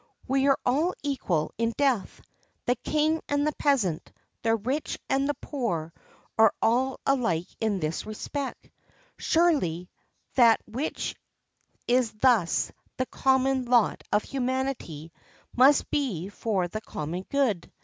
We are all equal in death; the king and the peasant, the rich and the poor are all alike in this respect. Surely, that which is thus the common lot of humanity must be for the common good.